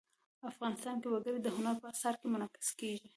افغانستان کې وګړي د هنر په اثار کې منعکس کېږي.